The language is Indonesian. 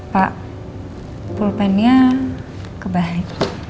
pak pulpennya kebalik